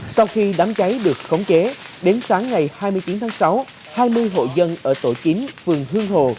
sau khi đám cháy được khống chế đến sáng ngày hai mươi chín tháng sáu hai mươi hộ dân ở tổ chín phường hương hồ